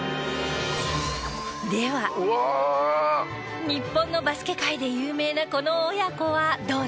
では日本のバスケ界で有名なこの親子はどうでしょうか？